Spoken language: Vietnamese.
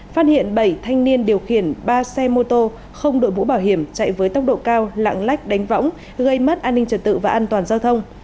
phát hiện bảy thanh niên điều khiển ba xe mô tô không đội mũ bảo hiểm chạy với tốc độ cao lạng lách đánh võng gây mất an ninh trật tự và an toàn giao thông